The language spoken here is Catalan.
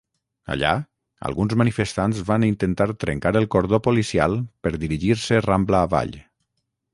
Allà, alguns manifestants van intentar trencar el cordó policial per dirigir-se Rambla avall.